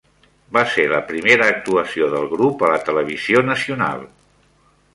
Va ser la primera actuació del grup a la televisió nacional.